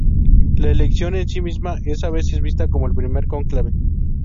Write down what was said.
La elección en sí misma es a veces vista como el primer cónclave.